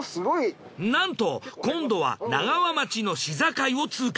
なんと今度は長和町の市境を通過。